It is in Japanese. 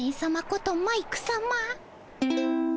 ことマイクさま。